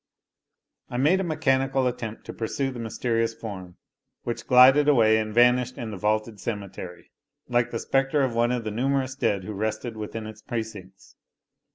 I made a mechanical attempt to pursue the mysterious form, which glided away and vanished in the vaulted cemetery, like the spectre of one of the numerous dead who rested within its precincts.